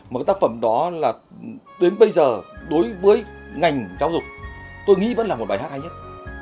một cái tác phẩm đó là đến bây giờ đối với ngành giáo dục tôi nghĩ vẫn là một bài hát hay nhất